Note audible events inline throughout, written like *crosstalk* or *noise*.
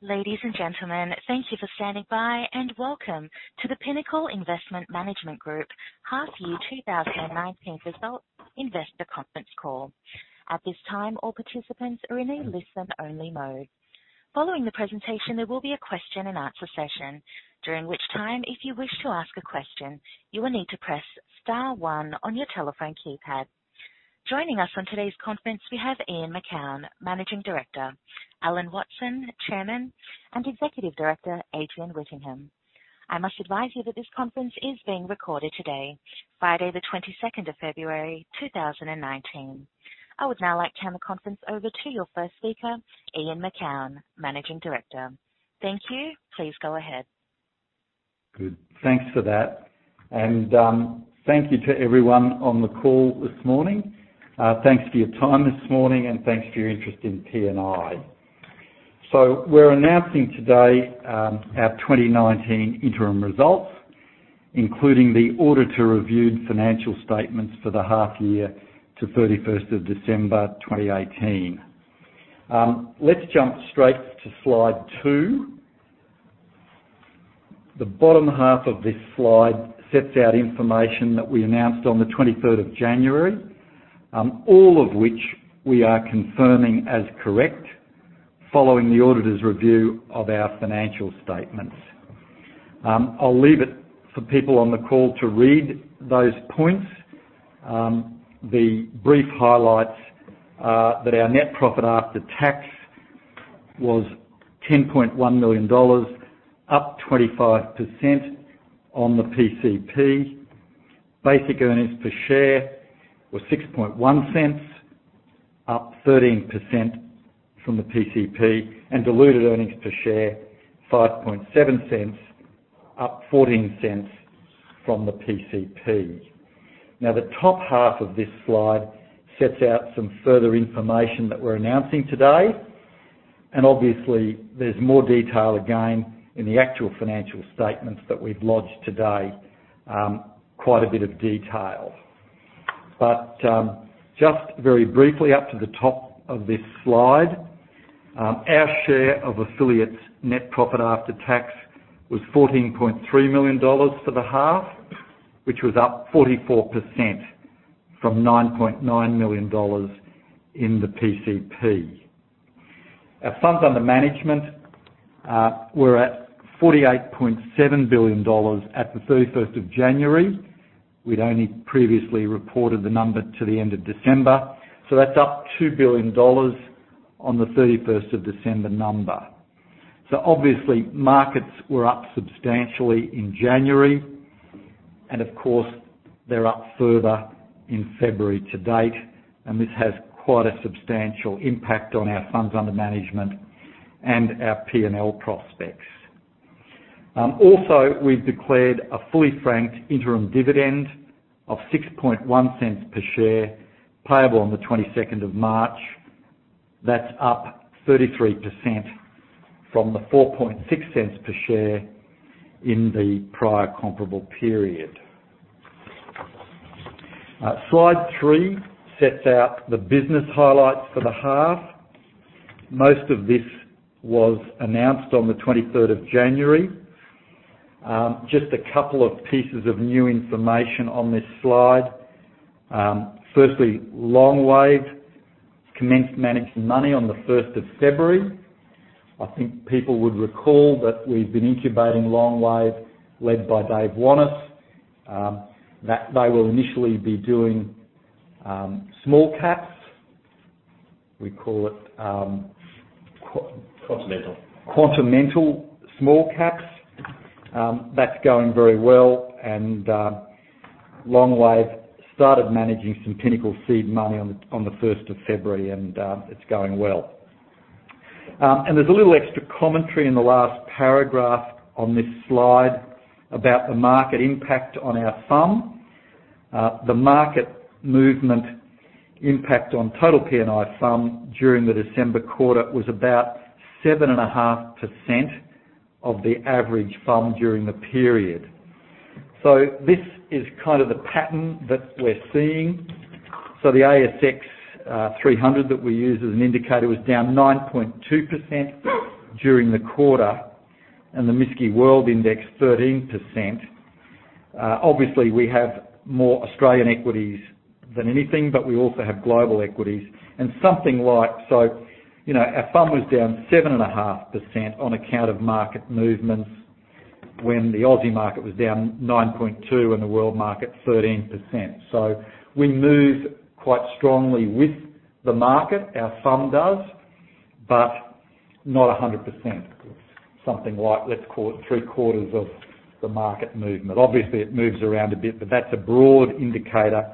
Ladies and gentlemen, thank you for standing by, and welcome to the Pinnacle Investment Management Group Half Year 2019 Results Investor Conference Call. At this time, all participants are in a listen-only mode. Following the presentation, there will be a question and answer session, during which time, if you wish to ask a question, you will need to press star one on your telephone keypad. Joining us on today's conference, we have Ian Macoun, Managing Director, Alan Watson, Chairman, and Executive Director, Adrian Whittingham. I must advise you that this conference is being recorded today, Friday the 22nd of February, 2019. I would now like to turn the conference over to your first speaker, Ian Macoun, Managing Director. Thank you. Please go ahead. Good. Thanks for that. Thank you to everyone on the call this morning. Thanks for your time this morning, and thanks for your interest in P&I. We're announcing today our 2019 interim results, including the auditor-reviewed financial statements for the half year to 31st of December 2018. Let's jump straight to slide two. The bottom half of this slide sets out information that we announced on the 23rd of January, all of which we are confirming as correct following the auditor's review of our financial statements. I'll leave it for people on the call to read those points. The brief highlights are that our net profit after tax was 10.1 million dollars, up 25% on the prior corresponding period. Basic earnings per share were 0.061, up 13% from the PCP. Diluted earnings per share 0.057, up 0.14 from the PCP. The top half of this slide sets out some further information that we're announcing today. Obviously there's more detail again in the actual financial statements that we've lodged today, quite a bit of detail. Just very briefly up to the top of this slide, our share of affiliates net profit after tax was 14.3 million dollars for the half, which was up 44% from 9.9 million dollars in the PCP. Our funds under management were at 48.7 billion dollars at the 31st of January. We'd only previously reported the number to the end of December. That's up 2 billion dollars on the 31st of December number. Obviously markets were up substantially in January, and of course they're up further in February to date. This has quite a substantial impact on our funds under management and our P&L prospects. Also, we've declared a fully franked interim dividend of 0.061 per share payable on the 22nd of March. That's up 33% from the 0.046 per share in the prior comparable period. Slide three sets out the business highlights for the half. Most of this was announced on the 23rd of January. Just a couple of pieces of new information on this slide. Firstly, Longwave commenced managed money on the 1st of February. I think people would recall that we've been incubating Longwave led by David Wanis. They will initially be doing small caps. We call it. *crosstalk* Quantamental. Quantamental small caps. That's going very well. Longwave started managing some Pinnacle seed money on the 1st of February and it's going well. There's a little extra commentary in the last paragraph on this slide about the market impact on our funds under management. The market movement impact on total P&I FUM during the December quarter was about 7.5% of the average FUM during the period. This is the pattern that we're seeing. The ASX 300 that we use as an indicator was down 9.2% during the quarter, and the MSCI World Index 13%. Obviously, we have more Australian equities than anything, but we also have global equities. Our FUM was down 7.5% on account of market movements when the Aussie market was down 9.2% and the world market 13%. We move quite strongly with the market, our FUM does, but not 100%. Something like, let's call it three-quarters of the market movement. Obviously, it moves around a bit, but that's a broad indicator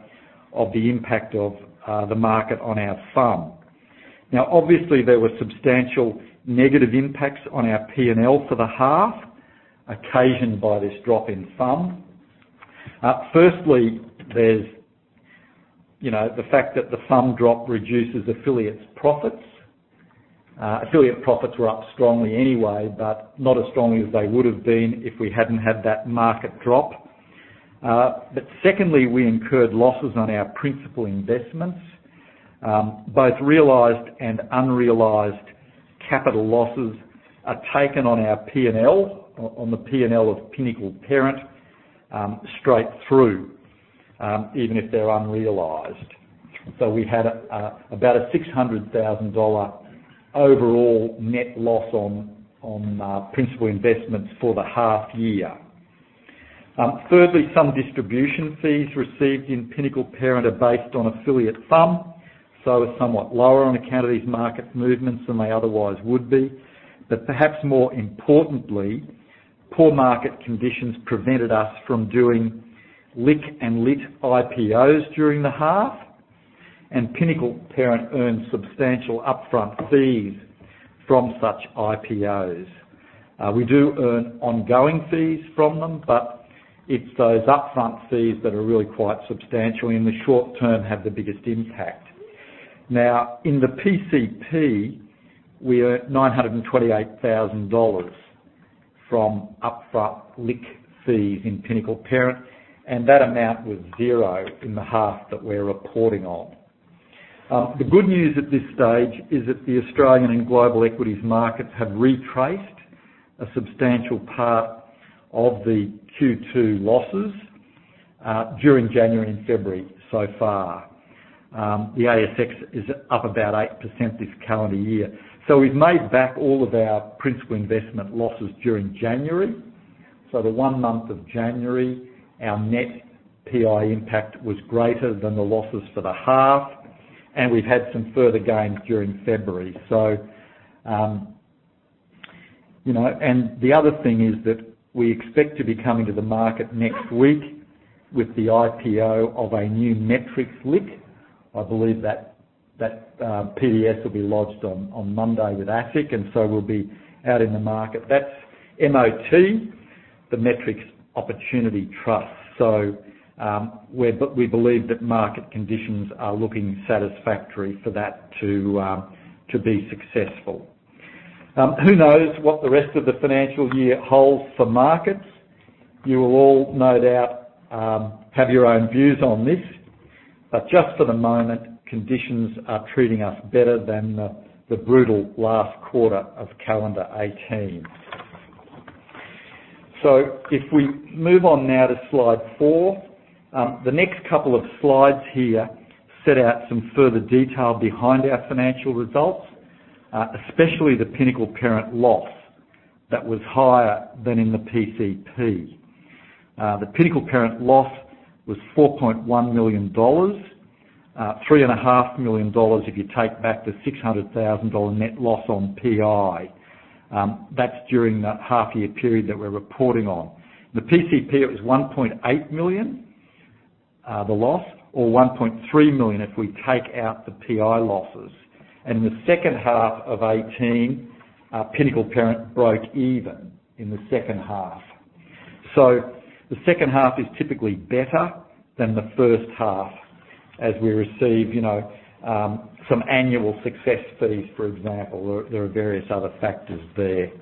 of the impact of the market on our FUM. Obviously, there were substantial negative impacts on our P&L for the half occasioned by this drop in FUM. Firstly, there's the fact that the FUM drop reduces affiliates' profits. Affiliate profits were up strongly anyway, but not as strongly as they would have been if we hadn't had that market drop. Secondly, we incurred losses on our principal investments. Both realized and unrealized capital losses are taken on our P&L, on the P&L of Pinnacle Parent, straight through, even if they're unrealized. We had about an 600,000 dollar overall net loss on principal investments for the half year. Thirdly, some distribution fees received in Pinnacle Parent are based on affiliate FUM, are somewhat lower on account of these market movements than they otherwise would be. Perhaps more importantly, poor market conditions prevented us from doing listed investment company and listed investment trust IPOs during the half, and Pinnacle Parent earns substantial upfront fees from such IPOs. We do earn ongoing fees from them, but it's those upfront fees that are really quite substantial in the short term, have the biggest impact. In the PCP, we earned AUD 928,000 from upfront LIC fees in Pinnacle Parent, and that amount was zero in the half that we're reporting on. The good news at this stage is that the Australian and global equities markets have retraced a substantial part of the Q2 losses during January and February so far. The ASX is up about 8% this calendar year. We've made back all of our principal investment losses during January. The one month of January, our net PI impact was greater than the losses for the half, and we've had some further gains during February. The other thing is that we expect to be coming to the market next week with the IPO of a new Metrics LIC. I believe that PDS will be lodged on Monday with ASIC, and we'll be out in the market. That's MOT, the Metrics Opportunity Trust. We believe that market conditions are looking satisfactory for that to be successful. Who knows what the rest of the financial year holds for markets? You will all no doubt have your own views on this, just for the moment, conditions are treating us better than the brutal last quarter of calendar 2018. If we move on now to slide four. The next couple of slides here set out some further detail behind our financial results, especially the Pinnacle Parent loss that was higher than in the PCP. The Pinnacle Parent loss was 4.1 million dollars, 3.5 million dollars if you take back the 600,000 dollar net loss on PI. That's during that half year period that we're reporting on. The PCP was 1.8 million, the loss, or 1.3 million if we take out the PI losses. In the second half of 2018, Pinnacle Parent broke even in the second half. The second half is typically better than the first half as we receive some annual success fees, for example. There are various other factors there.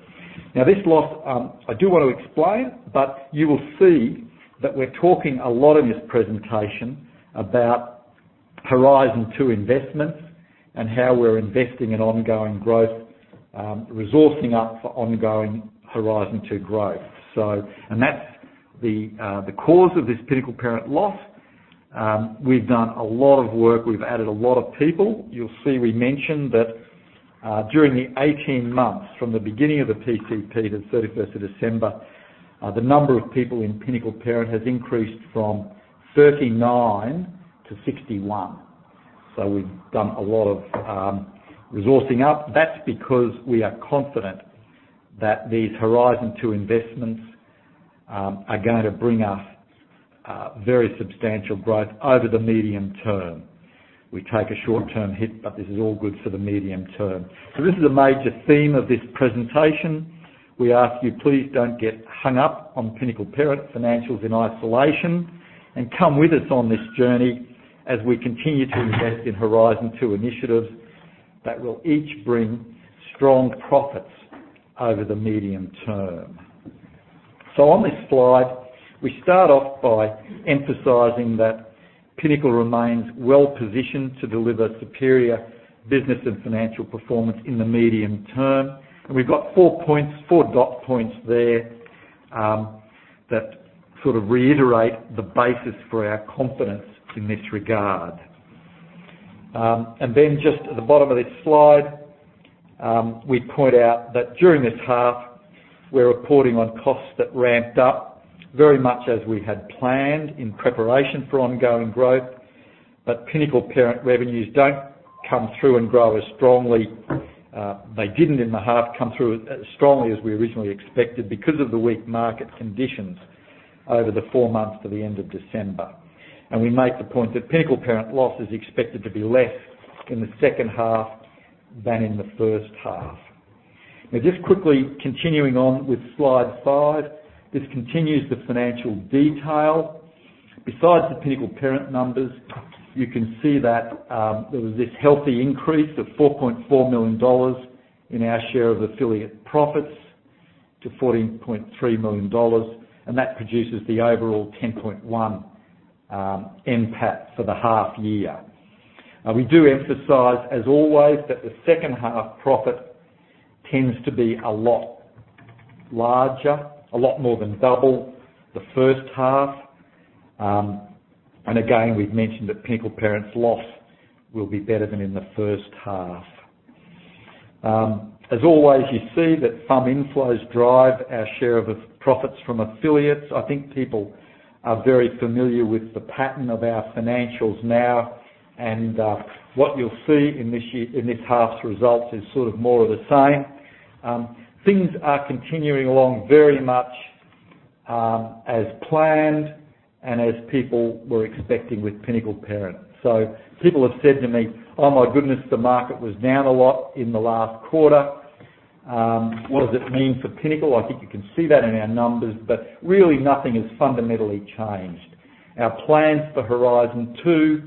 This loss, I do want to explain, but you will see that we're talking a lot in this presentation about Horizon 2 investments and how we're investing in ongoing growth, resourcing up for ongoing Horizon 2 growth. That's the cause of this Pinnacle Parent loss. We've done a lot of work. We've added a lot of people. You'll see we mentioned that during the 18 months from the beginning of the PCP to the 31st of December, the number of people in Pinnacle Parent has increased from 39 to 61. We've done a lot of resourcing up. That's because we are confident that these Horizon 2 investments are going to bring us very substantial growth over the medium term. We take a short-term hit, but this is all good for the medium term. This is a major theme of this presentation. We ask you please don't get hung up on Pinnacle Parent financials in isolation and come with us on this journey as we continue to invest in Horizon 2 initiatives that will each bring strong profits over the medium term. On this slide, we start off by emphasizing that Pinnacle remains well-positioned to deliver superior business and financial performance in the medium term. We've got four points, four dot points there, that sort of reiterate the basis for our confidence in this regard. Then just at the bottom of this slide, we point out that during this half, we're reporting on costs that ramped up very much as we had planned in preparation for ongoing growth. Pinnacle Parent revenues don't come through and grow as strongly. They didn't in the half come through as strongly as we originally expected because of the weak market conditions over the four months to the end of December. We make the point that Pinnacle Parent loss is expected to be less in the second half than in the first half. Just quickly continuing on with slide five. This continues the financial detail. Besides the Pinnacle Parent numbers, you can see that there was this healthy increase of 4.4 million dollars in our share of affiliate profits to 14.3 million dollars, and that produces the overall 10.1 net profit after tax for the half year. We do emphasize, as always, that the second half profit tends to be a lot larger, a lot more than double the first half. Again, we've mentioned that Pinnacle Parent's loss will be better than in the first half. As always, you see that some inflows drive our share of profits from affiliates. I think people are very familiar with the pattern of our financials now. What you'll see in this half's results is sort of more of the same. Things are continuing along very much as planned and as people were expecting with Pinnacle Parent. People have said to me, "Oh my goodness, the market was down a lot in the last quarter. What does it mean for Pinnacle?" I think you can see that in our numbers. Really nothing has fundamentally changed. Our plans for Horizon 2,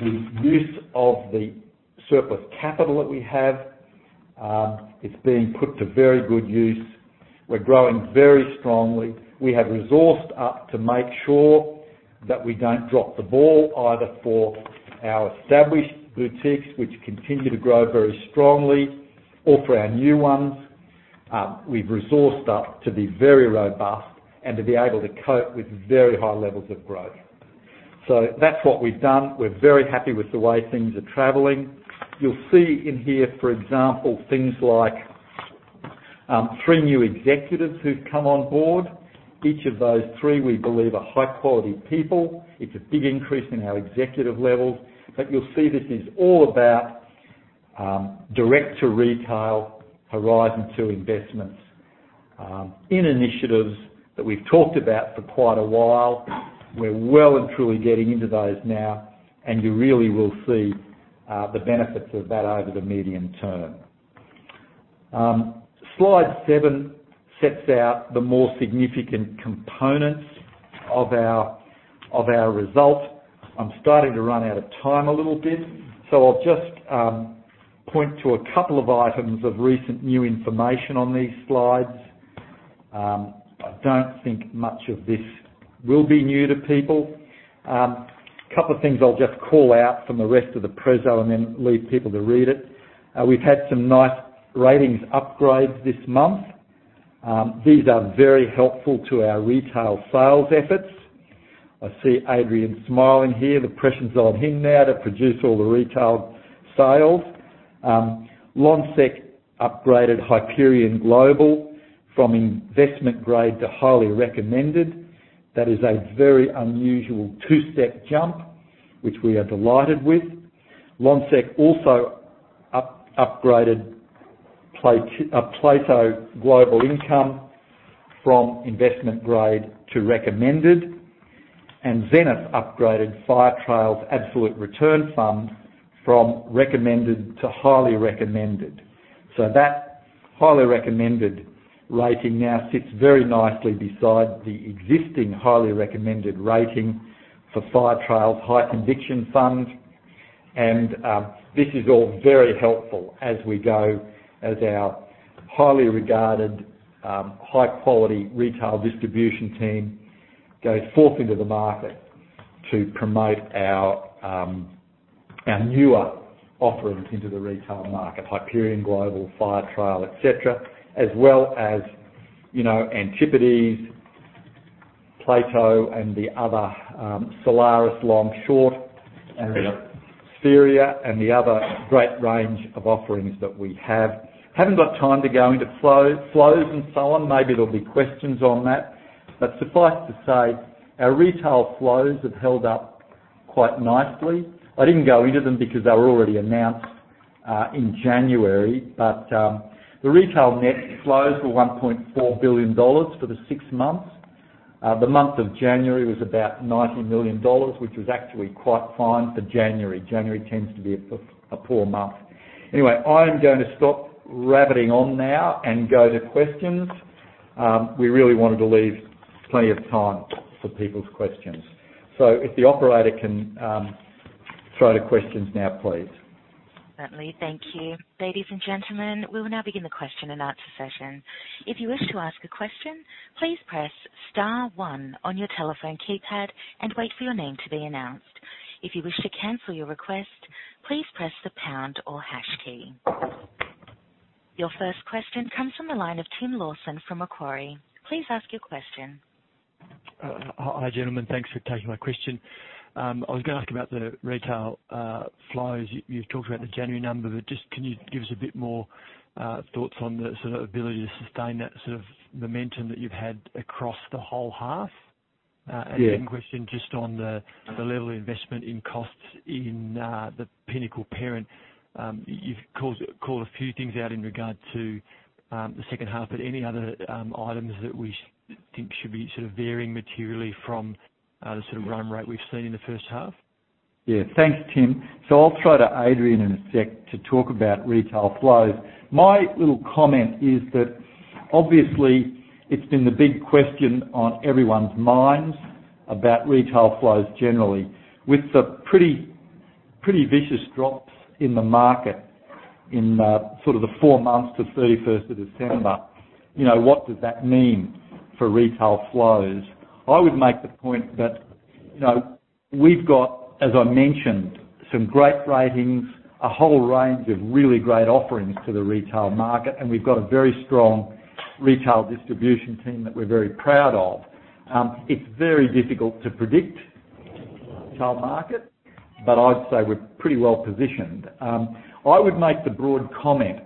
the use of the surplus capital that we have, it's being put to very good use. We're growing very strongly. We have resourced up to make sure that we don't drop the ball either for our established boutiques, which continue to grow very strongly, or for our new ones. We've resourced up to be very robust and to be able to cope with very high levels of growth. That's what we've done. We're very happy with the way things are traveling. You'll see in here, for example, things like three new executives who've come on board. Each of those three we believe are high-quality people. It's a big increase in our executive levels. You'll see this is all about direct to retail Horizon 2 investments in initiatives that we've talked about for quite a while. We're well and truly getting into those now. You really will see the benefits of that over the medium term. Slide seven sets out the more significant components of our results. I'm starting to run out of time a little bit. I'll just point to a couple of items of recent new information on these slides. I don't think much of this will be new to people. A couple of things I'll just call out from the rest of the presentation and then leave people to read it. We've had some nice ratings upgrades this month. These are very helpful to our retail sales efforts. I see Adrian smiling here. The pressure's on him now to produce all the retail sales. Lonsec upgraded Hyperion Global from investment grade to highly recommended. That is a very unusual two-step jump, which we are delighted with. Lonsec also upgraded Plato Global Income from investment grade to recommended. Zenith upgraded Firetrail's Absolute Return Fund from recommended to highly recommended. That highly recommended rating now sits very nicely beside the existing highly recommended rating for Firetrail's High Conviction Fund. This is all very helpful as our highly regarded, high-quality retail distribution team goes forth into the market to promote our newer offerings into the retail market, Hyperion Global, Firetrail, et cetera, as well as Antipodes, Plato, and the other Solaris Long Short and the Spheria and the other great range of offerings that we have. Haven't got time to go into flows and so on. Maybe there'll be questions on that. Suffice to say, our retail flows have held up quite nicely. I didn't go into them because they were already announced in January. The retail net flows were 1.4 billion dollars for the six months. The month of January was about 90 million dollars, which was actually quite fine for January. January tends to be a poor month. I'm going to stop rabbiting on now and go to questions. We really wanted to leave plenty of time for people's questions. If the operator can go to questions now, please. Certainly. Thank you. Ladies and gentlemen, we will now begin the question and answer session. If you wish to ask a question, please press star one on your telephone keypad and wait for your name to be announced. If you wish to cancel your request, please press the pound or hash key. Your first question comes from the line of Tim Lawson from Macquarie. Please ask your question. Hi, gentlemen. Thanks for taking my question. I was going to ask about the retail flows. Just can you give us a bit more thoughts on the sort of ability to sustain that sort of momentum that you've had across the whole half? Yeah. Question just on the level of investment in costs in the Pinnacle Parent. You've called a few things out in regard to the second half, any other items that we think should be sort of varying materially from the sort of run rate we've seen in the first half? Thanks, Tim. I'll throw to Adrian in a second to talk about retail flows. My little comment is that obviously it's been the big question on everyone's minds about retail flows generally with the pretty vicious drops in the market in sort of the four months to 31st of December. What does that mean for retail flows? I would make the point that we've got, as I mentioned, some great ratings, a whole range of really great offerings to the retail market, and we've got a very strong retail distribution team that we're very proud of. It's very difficult to predict the retail market, I'd say we're pretty well-positioned. I would make the broad comment.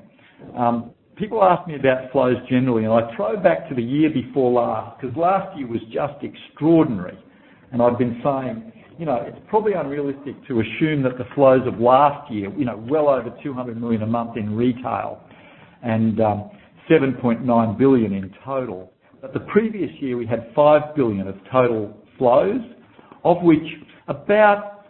People ask me about flows generally, I throw back to the year before last, because last year was just extraordinary, and I've been saying it's probably unrealistic to assume that the flows of last year, well over 200 million a month in retail and 7.9 billion in total. The previous year, we had 5 billion of total flows, of which about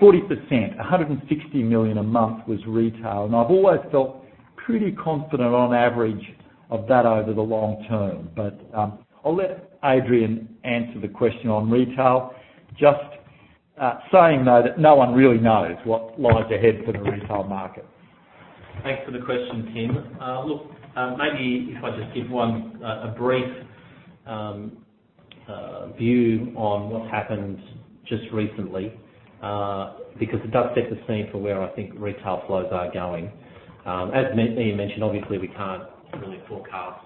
40%, 160 million a month, was retail. I've always felt pretty confident on average of that over the long term. I'll let Adrian answer the question on retail. Just saying, though, that no one really knows what lies ahead for the retail market. Thanks for the question, Tim. Maybe if I just give one a brief view on what's happened just recently, because it does set the scene for where I think retail flows are going. As Ian mentioned, obviously, we can't really forecast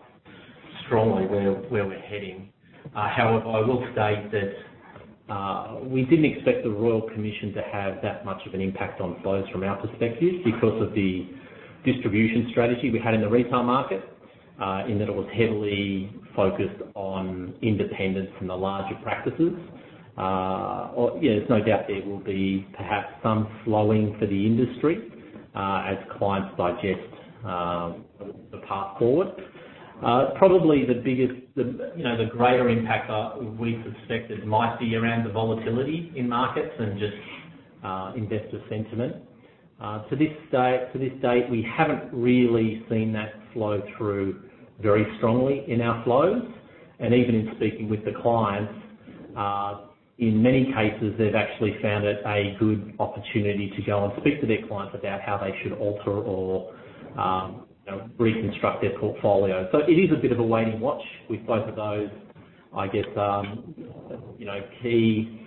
strongly where we're heading. However, I will state that we didn't expect the Royal Commission to have that much of an impact on flows from our perspective because of the distribution strategy we had in the retail market, in that it was heavily focused on independents and the larger practices. There's no doubt there will be perhaps some flowing for the industry as clients digest the path forward. Probably the greater impact we suspected might be around the volatility in markets than just investor sentiment. To this date, we haven't really seen that flow through very strongly in our flows. Even in speaking with the clients, in many cases, they've actually found it a good opportunity to go and speak to their clients about how they should alter or reconstruct their portfolio. It is a bit of a wait and watch with both of those, I guess, key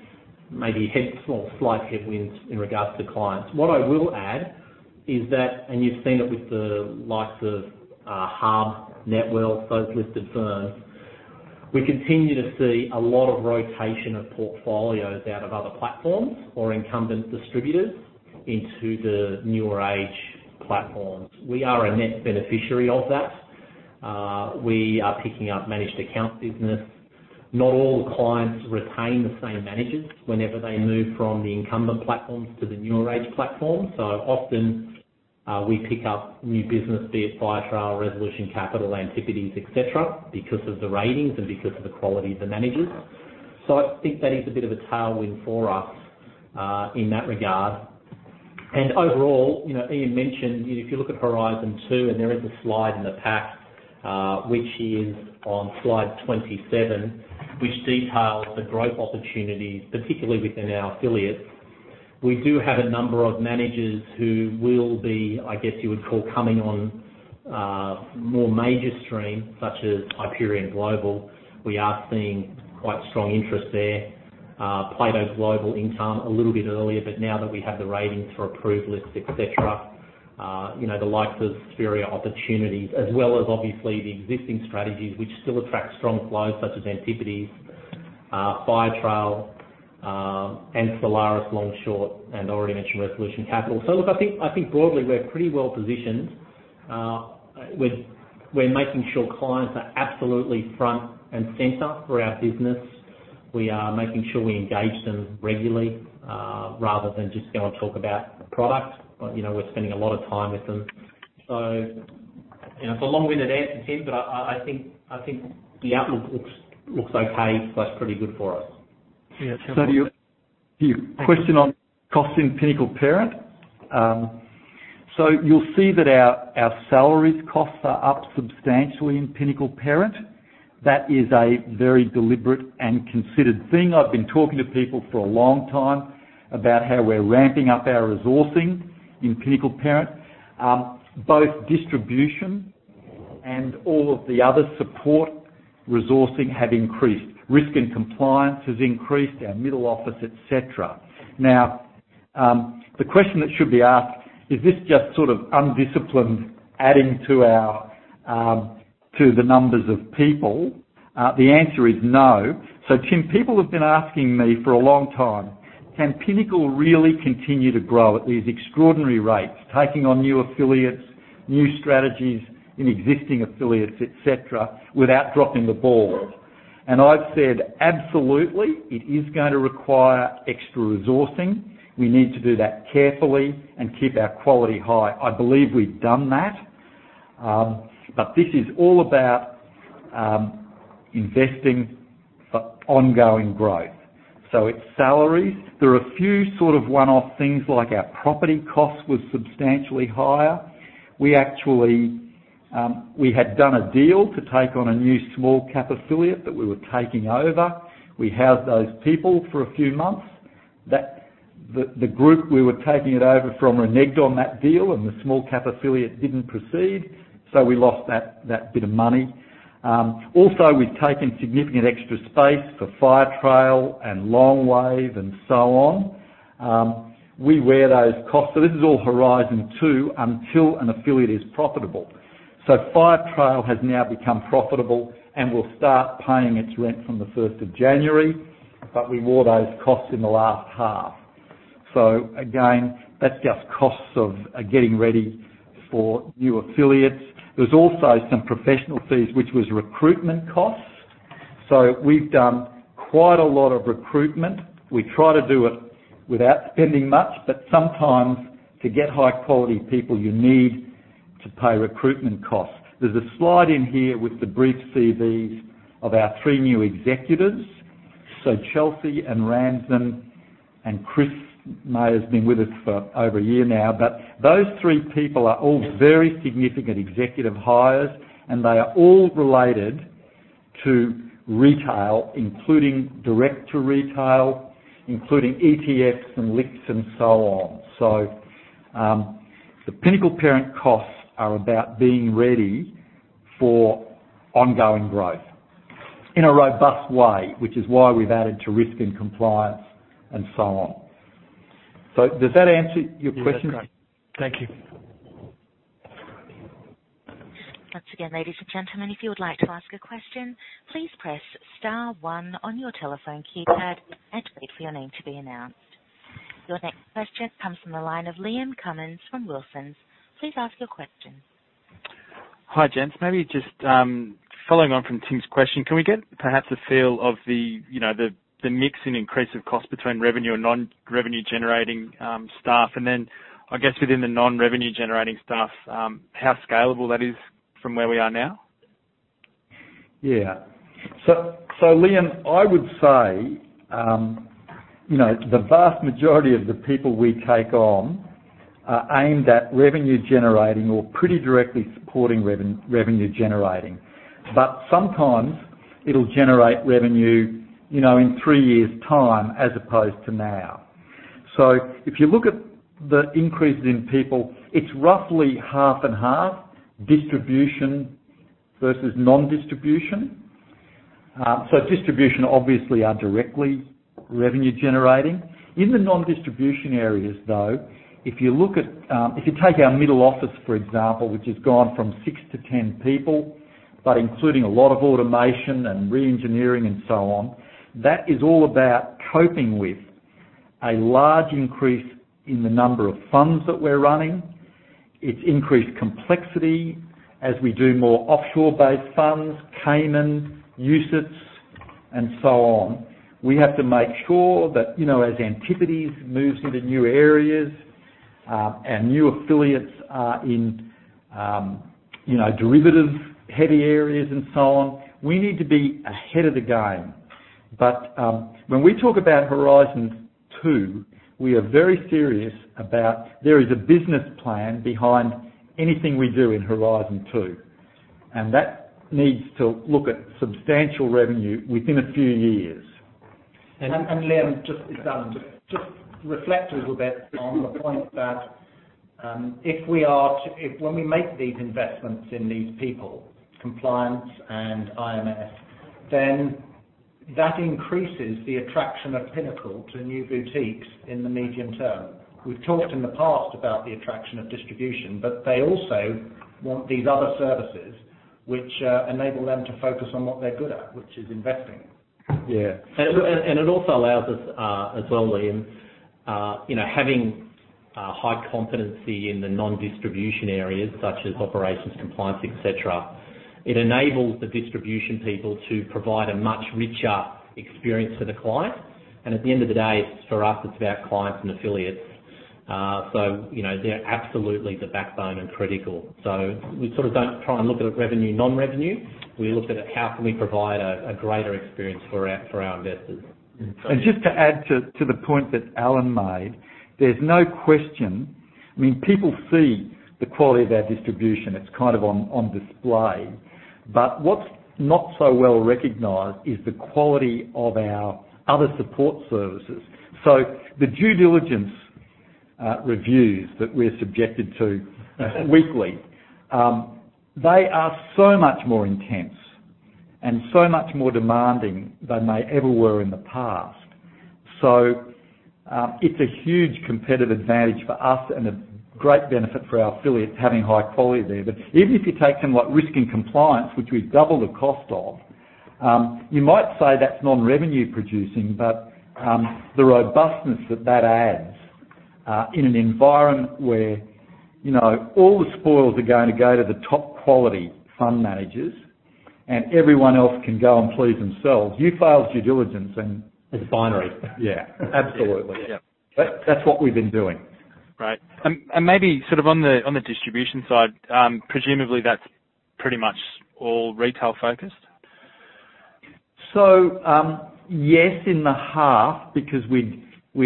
maybe head or slight headwinds in regards to clients. What I will add is that, you've seen it with the likes of Hub, Netwealth, those listed firms. We continue to see a lot of rotation of portfolios out of other platforms or incumbent distributors into the newer age platforms. We are a net beneficiary of that. We are picking up managed account business. Not all clients retain the same managers whenever they move from the incumbent platforms to the newer age platforms. Often we pick up new business, be it Firetrail, Resolution Capital, Antipodes Partners, et cetera, because of the ratings and because of the quality of the managers. I think that is a bit of a tailwind for us in that regard. Overall, Ian mentioned, if you look at Horizon 2, and there is a slide in the pack, which is on slide 27, which details the growth opportunities, particularly within our affiliates. We do have a number of managers who will be, I guess you would call coming on more major stream, such as Hyperion Global. We are seeing quite strong interest there. Yeah. Plato Global Income a little bit earlier, now that we have the ratings for approved lists, et cetera, the likes of Spheria Opportunities, as well as obviously the existing strategies which still attract strong flows such as Antipodes Partners, Firetrail, and Solaris Long Short, and I already mentioned Resolution Capital. Look, I think broadly we're pretty well-positioned. We're making sure clients are absolutely front and center for our business. We are making sure we engage them regularly rather than just go and talk about the product. We're spending a lot of time with them. It's a long-winded answer, Tim, I think the outlook looks okay. Flows pretty good for us. Your question on costs in Pinnacle Parent. You'll see that our salaries costs are up substantially in Pinnacle Parent. That is a very deliberate and considered thing. I've been talking to people for a long time about how we're ramping up our resourcing in Pinnacle Parent. Both distribution and all of the other support resourcing have increased. Risk and compliance has increased, our middle office, et cetera. The question that should be asked, is this just sort of undisciplined adding to the numbers of people? The answer is no. Tim, people have been asking me for a long time, "Can Pinnacle really continue to grow at these extraordinary rates, taking on new affiliates, new strategies in existing affiliates, et cetera, without dropping the ball?" I've said, "Absolutely, it is going to require extra resourcing. We need to do that carefully and keep our quality high." I believe we've done that. This is all about investing for ongoing growth. It's salaries. There are a few one-off things, like our property cost was substantially higher. We had done a deal to take on a new small cap affiliate that we were taking over. We housed those people for a few months. The group we were taking it over from reneged on that deal, and the small cap affiliate didn't proceed, so we lost that bit of money. Also, we've taken significant extra space for Firetrail and Longwave and so on. We wear those costs. This is all Horizon 2 until an affiliate is profitable. Firetrail has now become profitable and will start paying its rent from the 1st of January, but we wore those costs in the last half. Again, that's just costs of getting ready for new affiliates. There's also some professional fees, which was recruitment costs. We've done quite a lot of recruitment. We try to do it without spending much, but sometimes to get high-quality people, you need to pay recruitment costs. There's a slide in here with the brief CVs of our three new executives. Chelsea Wu and Chris Meyer's been with us for over a year now, but those three people are all very significant executive hires, and they are all related to retail, including direct to retail, including exchange-traded funds and LICs and so on. The Pinnacle parent costs are about being ready for ongoing growth in a robust way, which is why we've added to risk and compliance and so on. Does that answer your question? Yeah, that's great. Thank you. Once again, ladies and gentlemen, if you would like to ask a question, please press star one on your telephone keypad and wait for your name to be announced. Your next question comes from the line of Liam Cummins from Wilsons. Please ask your question. Hi, gentlemen. Maybe just following on from Tim's question, can we get perhaps a feel of the mix in increase of cost between revenue and non-revenue generating staff? I guess within the non-revenue generating staff, how scalable that is from where we are now? Liam, I would say, the vast majority of the people we take on are aimed at revenue generating or pretty directly supporting revenue generating. Sometimes it'll generate revenue in three years' time as opposed to now. If you look at the increases in people, it's roughly half and half distribution versus non-distribution. Distribution obviously are directly revenue generating. In the non-distribution areas, though, if you take our middle office, for example, which has gone from 6-10 people, including a lot of automation and re-engineering and so on, that is all about coping with a large increase in the number of funds that we're running. It's increased complexity as we do more offshore-based funds, Cayman, Undertakings for Collective Investment in Transferable Securities, and so on. We have to make sure that as Antipodes moves into new areas, new affiliates are in derivative heavy areas and so on, we need to be ahead of the game. When we talk about Horizon 2, we are very serious about there is a business plan behind anything we do in Horizon 2, and that needs to look at substantial revenue within a few years. Liam, just to reflect a little bit on the point that, when we make these investments in these people, compliance and IMS, then that increases the attraction of Pinnacle to new boutiques in the medium term. We've talked in the past about the attraction of distribution, they also want these other services which enable them to focus on what they're good at, which is investing. Yeah. It also allows us, as well, Liam, having high competency in the non-distribution areas such as operations, compliance, et cetera. It enables the distribution people to provide a much richer experience for the client. At the end of the day, for us, it's about clients and affiliates. They're absolutely the backbone and critical. We don't try and look at it revenue, non-revenue. We look at it, how can we provide a greater experience for our investors? Just to add to the point that Alan made, there's no question. People see the quality of our distribution, it's on display. What's not so well-recognized is the quality of our other support services. The due diligence reviews that we're subjected to weekly, they are so much more intense and so much more demanding than they ever were in the past. It's a huge competitive advantage for us and a great benefit for our affiliates having high quality there. Even if you take something like risk and compliance, which we've doubled the cost of, you might say that's non-revenue producing, but the robustness that that adds in an environment where all the spoils are going to go to the top quality fund managers. Everyone else can go and please themselves. You fail due diligence and. *crosstalk* It's binary. Yeah, absolutely. Yeah. That's what we've been doing. Great. Maybe on the distribution side, presumably that's pretty much all retail-focused? Yes in the half because we'd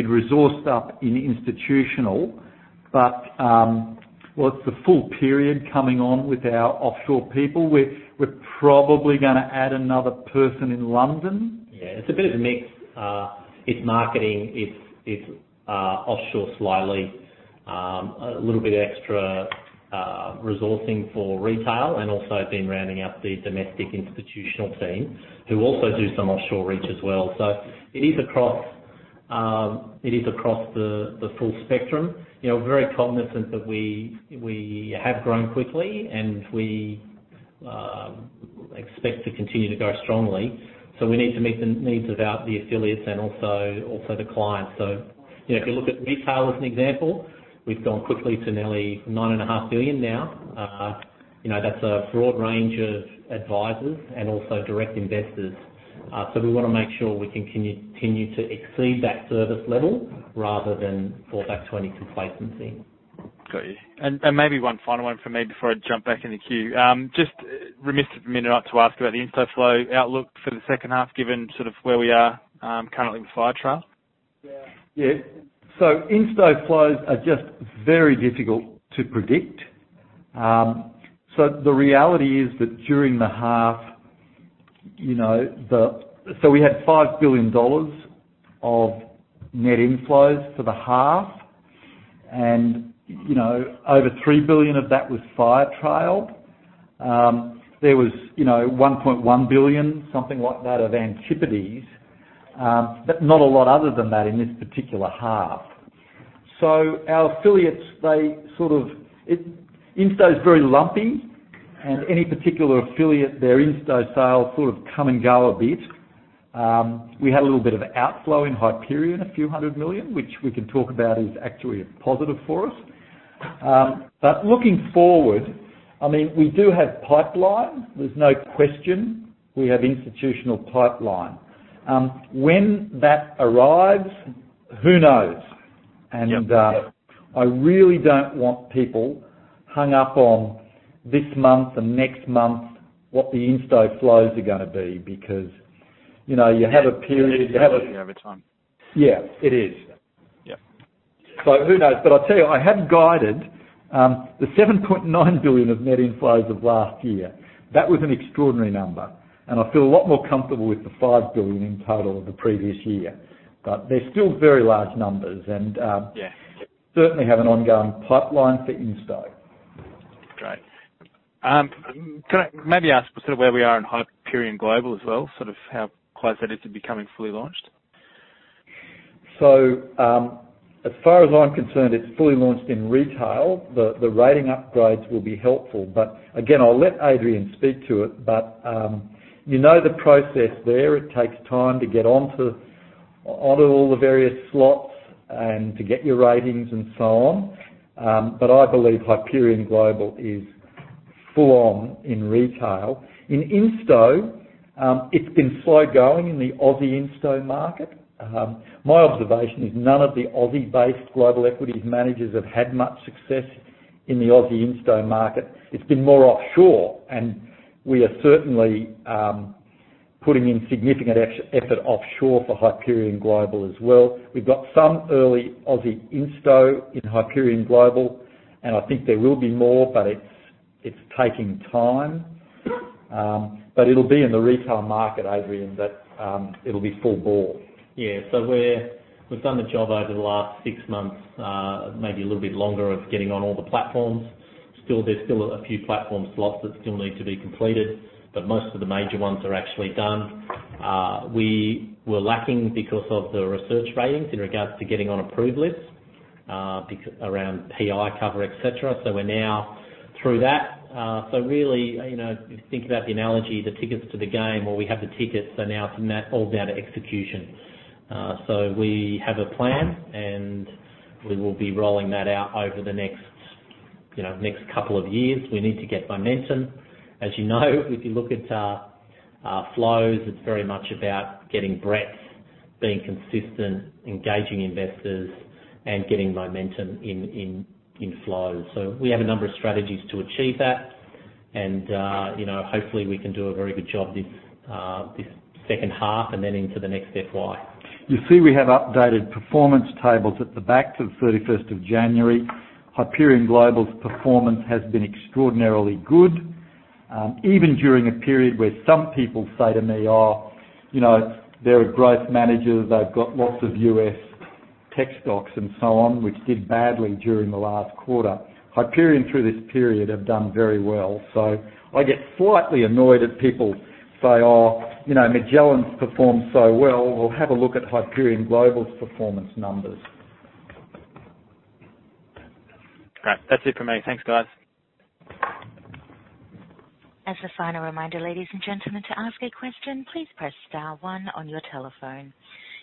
resourced up in institutional. Well, it's the full period coming on with our offshore people. We're probably going to add another person in London. It's a bit of a mix. It's marketing, it's offshore slightly, a little bit extra resourcing for retail and also been rounding out the domestic institutional team who also do some offshore reach as well. It is across the full spectrum. We're very cognizant that we have grown quickly, and we expect to continue to grow strongly. We need to meet the needs of the affiliates and also the clients. If you look at retail as an example, we've grown quickly to nearly nine and a half billion now. That's a broad range of advisors and also direct investors. We want to make sure we continue to exceed that service level rather than fall back to any complacency. Got you. Maybe one final one from me before I jump back in the queue. Just remiss of me not to ask about the insto flow outlook for the second half, given where we are currently with Firetrail. Yeah. Insto flows are just very difficult to predict. The reality is that during the half, we had 5 billion dollars of net inflows for the half and over 3 billion of that was Firetrail. There was 1.1 billion, something like that, of Antipodes, not a lot other than that in this particular half. Our affiliates, insto is very lumpy and any particular affiliate, their insto sales sort of come and go a bit. We had a little bit of outflow in Hyperion, a few hundred million, which we can talk about is actually a positive for us. Looking forward, we do have pipeline, there's no question. We have institutional pipeline. When that arrives, who knows? Yep. I really don't want people hung up on this month and next month, what the insto flows are going to be, because you have a period. *crosstalk* It averages out over time. Yeah, it is. Yeah. Who knows? I'll tell you, I have guided the 7.9 billion of net inflows of last year. That was an extraordinary number, and I feel a lot more comfortable with the 5 billion in total of the previous year. They're still very large numbers. Yeah. Certainly have an ongoing pipeline for insto. Great. Can I maybe ask where we are in Hyperion Global as well? How close that is to becoming fully launched? As far as I'm concerned, it's fully launched in retail. The rating upgrades will be helpful, but again, I'll let Adrian speak to it. You know the process there. It takes time to get onto all the various slots and to get your ratings and so on. I believe Hyperion Global is full on in retail. In insto, it's been slow going in the Aussie insto market. My observation is none of the Aussie-based global equities managers have had much success in the Aussie insto market. It's been more offshore, and we are certainly putting in significant effort offshore for Hyperion Global as well. We've got some early Aussie insto in Hyperion Global, and I think there will be more, but it's taking time. It'll be in the retail market, Adrian, that it'll be full bore. Yeah. We've done the job over the last six months, maybe a little bit longer, of getting on all the platforms. There's still a few platform slots that still need to be completed, but most of the major ones are actually done. We were lacking because of the research ratings in regards to getting on approved lists around professional indemnity cover, et cetera. We're now through that. Really, if you think about the analogy, the tickets to the game or we have the tickets, now it's all down to execution. We have a plan, and we will be rolling that out over the next couple of years. We need to get momentum. As you know, if you look at our flows, it's very much about getting breadth, being consistent, engaging investors, and getting momentum in flows. We have a number of strategies to achieve that and hopefully we can do a very good job this second half and then into the next FY. You see we have updated performance tables at the back to the 31st of January. Hyperion Global's performance has been extraordinarily good. Even during a period where some people say to me, "Oh, they're a growth manager, they've got lots of U.S. tech stocks and so on," which did badly during the last quarter. Hyperion through this period have done very well. I get slightly annoyed at people say, "Oh, Magellan's performed so well." Well, have a look at Hyperion Global's performance numbers. Great. That's it from me. Thanks, guys. As a final reminder, ladies and gentlemen, to ask a question, please press star one on your telephone.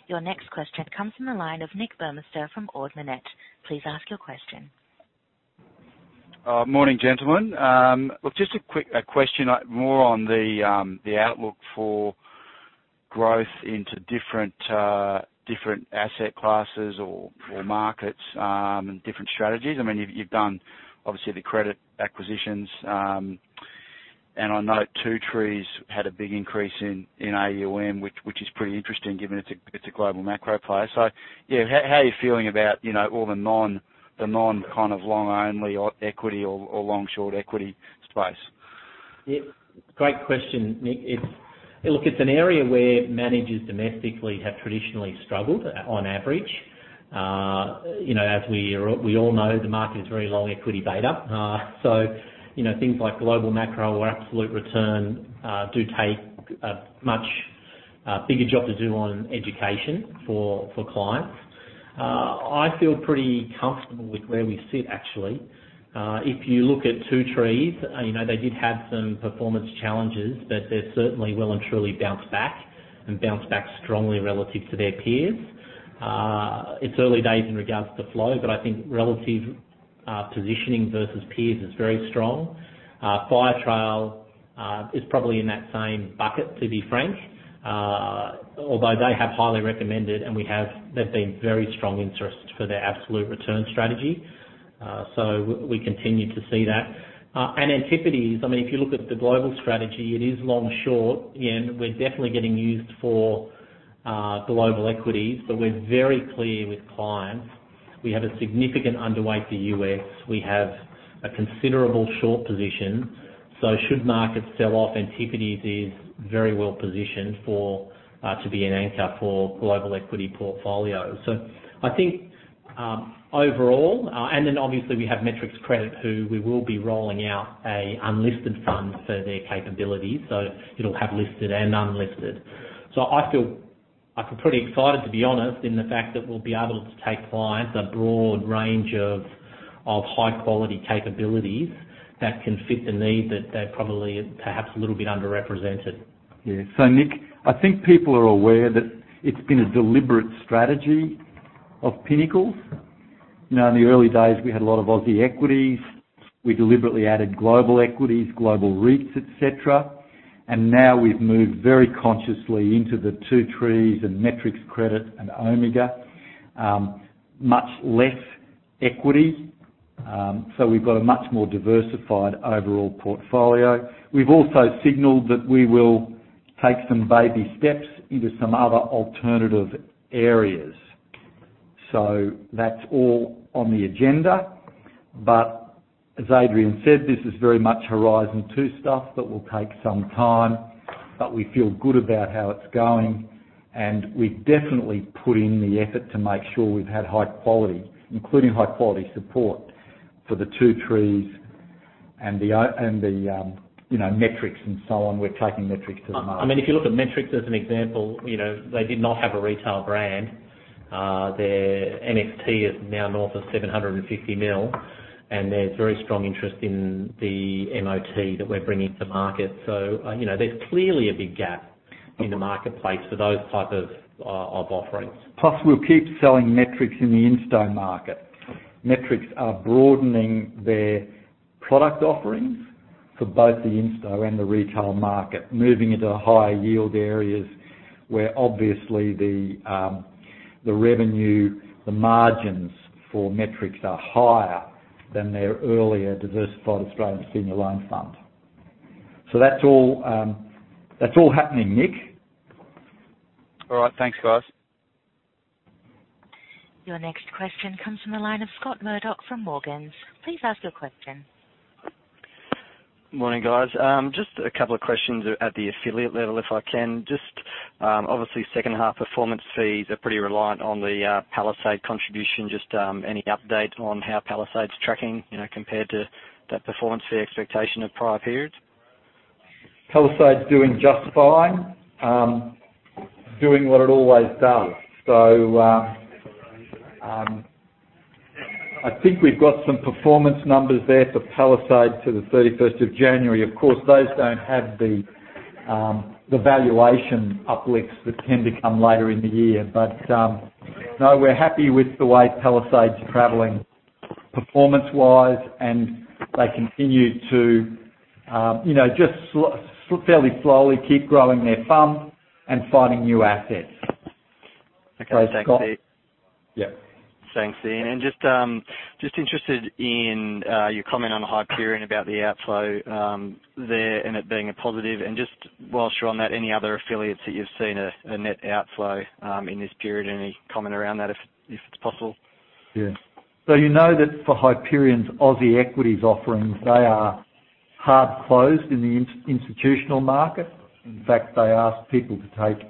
Your next question comes from the line of Nick Burmester from Ord Minnett. Please ask your question. Morning, gentlemen. Just a quick question, more on the outlook for growth into different asset classes or markets and different strategies. You've done, obviously, the credit acquisitions. I note Two Trees had a big increase in AUM, which is pretty interesting given it's a global macro play. Yeah, how are you feeling about all the non-long only equity or long-short equity space? Yeah. Great question, Nick. Look, it's an area where managers domestically have traditionally struggled, on average. As we all know, the market is very long equity beta. Things like global macro or Absolute Return do take a much bigger job to do on education for clients. I feel pretty comfortable with where we sit, actually. If you look at Two Trees, they did have some performance challenges, but they've certainly well and truly bounced back, and bounced back strongly relative to their peers. It's early days in regards to flow, but I think relative positioning versus peers is very strong. Firetrail is probably in that same bucket, to be frank. Although they have highly recommended, and there's been very strong interest for their Absolute Return strategy. We continue to see that. Antipodes, if you look at the global strategy, it is long-short. We're definitely getting used for global equities, but we're very clear with clients. We have a significant underweight to U.S. We have a considerable short position. Should markets sell off, Antipodes is very well positioned to be an anchor for global equity portfolios. Obviously we have Metrics Credit, who we will be rolling out an unlisted fund for their capabilities, so it'll have listed and unlisted. I feel pretty excited, to be honest, in the fact that we'll be able to take clients a broad range of high-quality capabilities that can fit the need that they're probably perhaps a little bit underrepresented. Yeah. Nick, I think people are aware that it's been a deliberate strategy of Pinnacle's. In the early days, we had a lot of Aussie equities. We deliberately added global equities, global REITs, et cetera. Now we've moved very consciously into the Two Trees and Metrics Credit and Omega. Much less equity. We've got a much more diversified overall portfolio. We've also signaled that we will take some baby steps into some other alternative areas. That's all on the agenda. As Adrian said, this is very much Horizon 2 stuff that will take some time, but we feel good about how it's going and we've definitely put in the effort to make sure we've had high quality, including high-quality support for the Two Trees and the Metrics and so on. We're taking Metrics to the market. If you look at Metrics as an example, they did not have a retail brand. Their net fund transfers is now north of 750 million, and there's very strong interest in the Metrics Income Opportunities Trust that we're bringing to market. There's clearly a big gap in the marketplace for those type of offerings. Plus, we'll keep selling Metrics in the insto market. Metrics are broadening their product offerings for both the insto and the retail market, moving into higher yield areas where obviously the revenue, the margins for Metrics are higher than their earlier Metrics Credit Partners Diversified Australian Senior Loan Fund. That's all happening, Nick. All right. Thanks, guys. Your next question comes from the line of Scott Murdoch from Morgans Financial. Please ask your question. Morning, guys. Just a couple of questions at the affiliate level, if I can. Just obviously second half performance fees are pretty reliant on the Palisade contribution. Just any update on how Palisade's tracking compared to that performance fee expectation of prior periods? Palisade's doing just fine. Doing what it always does. I think we've got some performance numbers there for Palisade to the 31st of January. Of course, those don't have the valuation uplifts that can become later in the year. No, we're happy with the way Palisade's traveling performance-wise, and they continue to just fairly slowly keep growing their fund and finding new assets. Okay. Thanks, Ian Macoun. Yeah. Thanks, Ian. Just interested in your comment on Hyperion about the outflow there and it being a positive, just whilst you're on that, any other affiliates that you've seen a net outflow in this period, any comment around that if it's possible? Yeah. You know that for Hyperion's Aussie equities offerings, they are hard closed in the institutional market. In fact, they ask people to take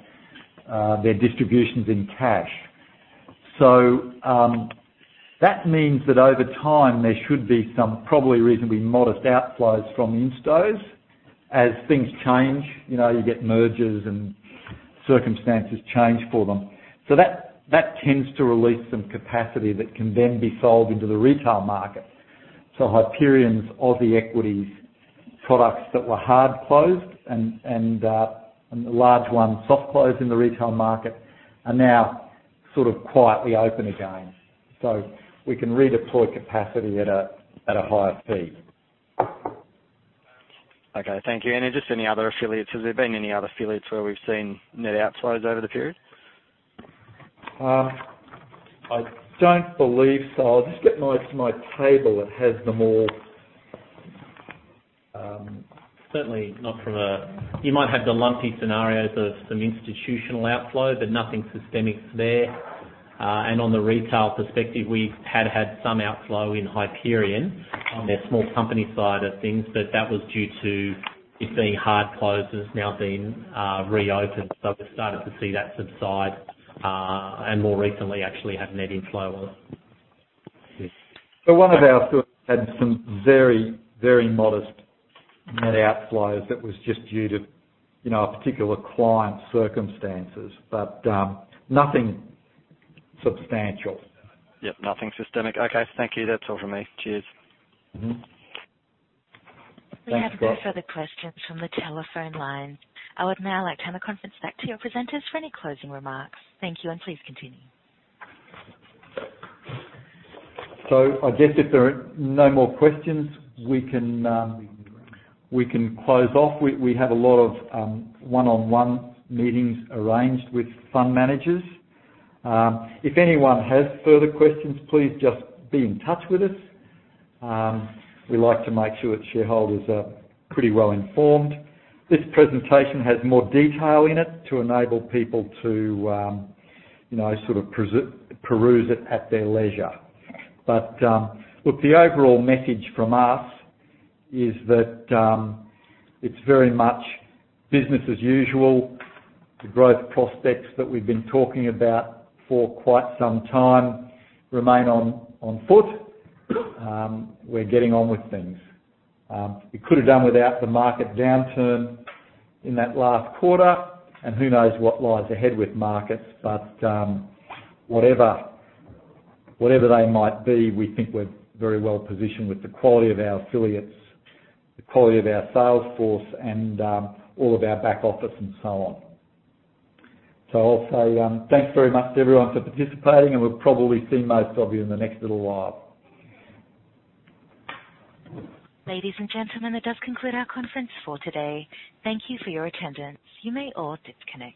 their distributions in cash. That means that over time there should be some probably reasonably modest outflows from instos as things change. You get mergers and circumstances change for them. That tends to release some capacity that can then be sold into the retail market. Hyperion's Aussie equities products that were hard closed and the large ones soft closed in the retail market are now quietly open again. We can redeploy capacity at a higher speed. Okay, thank you. Just any other affiliates, has there been any other affiliates where we've seen net outflows over the period? I don't believe so. I'll just get my table that has them all. You might have the lumpy scenarios of some institutional outflow, but nothing systemic there. On the retail perspective, we had had some outflow in Hyperion on their small company side of things, but that was due to it being hard closed and it's now been reopened. We've started to see that subside, and more recently actually had net inflow on it. One of our affiliates had some very modest net outflows that was just due to a particular client's circumstances, but nothing substantial. Yep, nothing systemic. Okay, thank you. That's all from me. Cheers. We have no further questions from the telephone line. I would now like to hand the conference back to your presenters for any closing remarks. Thank you. Please continue. I guess if there are no more questions, we can close off. We have a lot of one-on-one meetings arranged with fund managers. If anyone has further questions, please just be in touch with us. We like to make sure that shareholders are pretty well-informed. This presentation has more detail in it to enable people to peruse it at their leisure. Look, the overall message from us is that it's very much business as usual. The growth prospects that we've been talking about for quite some time remain on foot. We're getting on with things. We could have done without the market downturn in that last quarter, who knows what lies ahead with markets. Whatever they might be, we think we're very well-positioned with the quality of our affiliates, the quality of our sales force, and all of our back office and so on. I'll say thanks very much to everyone for participating, we'll probably see most of you in the next little while. Ladies and gentlemen, that does conclude our conference for today. Thank you for your attendance. You may all disconnect.